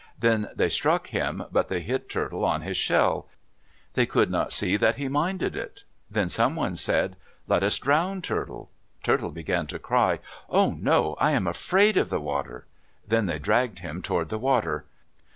Then they struck him, but they hit Turtle on his shell. They could not see that he minded it. Then someone said, "Let us drown Turtle." Turtle began to cry, "Oh, no! I am afraid of the water!" Then they dragged him toward the water.